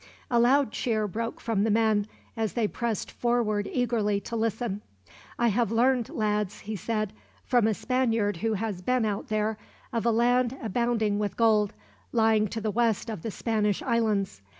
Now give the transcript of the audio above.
A loud cheer broke from the men, as they pressed forward eagerly to listen. "I have learned, lads," he said, "from a Spaniard who has been out there, of a land abounding with gold, lying to the west of the Spanish Islands.